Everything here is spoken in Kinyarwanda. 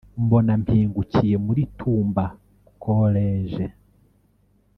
mbona mpingukiye muri Tumba College